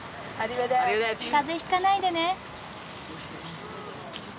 風邪ひかないでね。